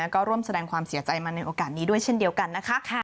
ก็ร่วมแสดงความเสียใจมาในโอกาสนี้ด้วยเช่นเดียวกันนะคะ